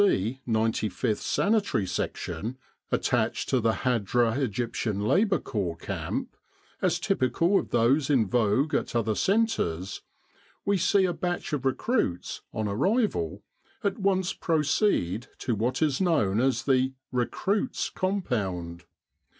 C. 95th Sanitary Section, attached to the Hadra Egyptian Labour Corps Camp, as typical of those yi vogue at other centres, we see a batch of recruits, on arrival, at once proceed to what is known as the " Recruits' Compound."